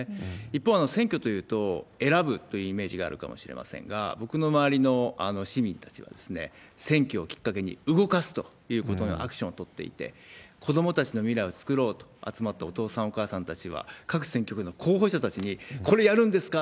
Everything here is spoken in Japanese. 一方、選挙というと、選ぶというイメージがあるかもしれませんが、僕の周りの市民たちは、選挙をきっかけに動かすということのアクションを取っていて、子どもたちの未来を作ろうと、集まったお父さん、お母さんたちは、各選挙区の候補者たちに、これやるんですか？